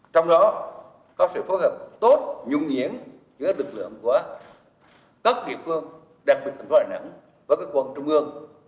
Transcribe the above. trong đó có sự phối hợp tốt nhung nhiễn với các lực lượng của các địa phương đặc biệt thành phố đà nẵng và các quân trung ương